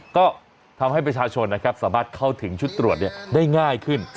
ก็ทำให้ประชาชนนะครับสามารถเข้าถึงชุดตรวจได้ง่ายขึ้น